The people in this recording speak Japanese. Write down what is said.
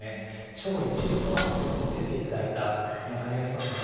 超一流とはっていうのを見せていただいた、そんな感じがしますね。